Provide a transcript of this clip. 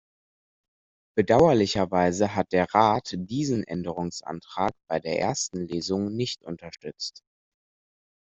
Bedauerlicherweise hat der Rat diesen Änderungsantrag bei der ersten Lesung nicht unterstützt.